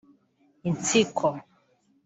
Insiko